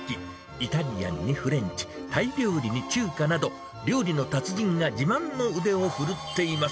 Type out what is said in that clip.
イタリアンにフレンチ、タイ料理に中華など、料理の達人が自慢の腕を振るっています。